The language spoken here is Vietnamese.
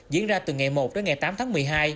diễn ra từ ngày một đến ngày tám tháng một mươi hai